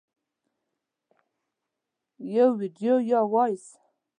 - یو ویډیو یا Voice 🎧